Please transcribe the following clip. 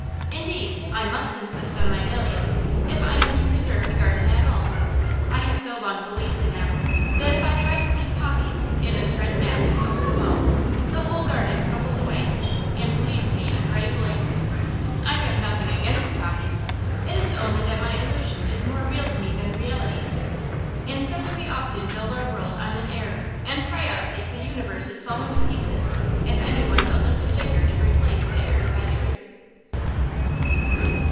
Indeed, I must insist on my dahlias, if I am to preserve the garden at all. I have so long believed in them, that if I try to see poppies in those red masses over the wall, the whole garden crumbles away, and leaves me a gray blank. I have nothing against poppies. It is only that my illusion is more real to me than reality. And so do we often build our world on an error, and cry out that the universe is falling to pieces, if any one but lift a finger to replace the error by truth.